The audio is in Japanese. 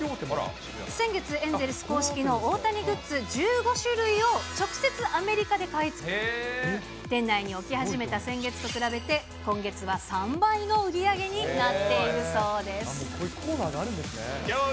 先月、エンゼルス公式の大谷グッズ１５種類を、直接アメリカで買い付け、店内に置き始めた先月と比べて、今月は３倍の売り上げになっているそうです。